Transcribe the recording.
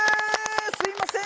すいません！